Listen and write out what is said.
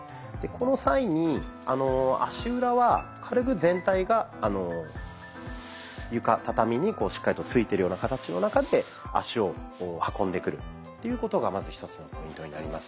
この際に足裏は軽く全体が床畳にしっかりとついてるような形の中で足を運んでくるっていうことがまず一つのポイントになりますね。